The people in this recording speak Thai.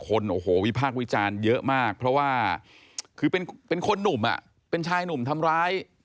คนโอ้โหวิพากษ์วิจารณ์เยอะมากเพราะว่าคือเป็นคนหนุ่มอ่ะเป็นชายหนุ่มทำร้าย